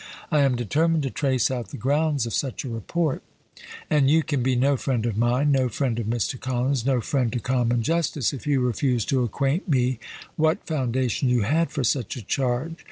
I am determined to trace out the grounds of such a report; and you can be no friend of mine, no friend of Mr. Collins, no friend to common justice, if you refuse to acquaint me, what foundation you had for such a charge.